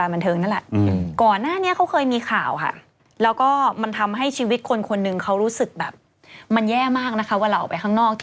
เราก็ค่อยว่ากัน